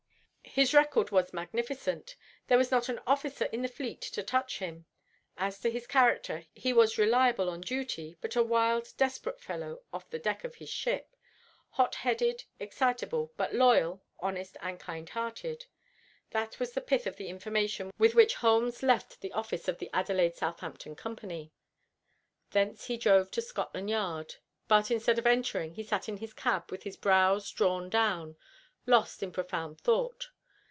His record was magnificent. There was not an officer in the fleet to touch him. As to his character, he was reliable on duty, but a wild, desperate fellow off the deck of his ship, hot headed, excitable, but loyal, honest, and kind hearted. That was the pith of the information with which Holmes left the office of the Adelaide Southampton company. Thence he drove to Scotland Yard, but instead of entering he sat in his cab with his brows drawn down, lost in profound thought.